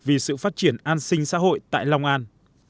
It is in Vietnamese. vì sự phát triển an sinh xã hội tại long an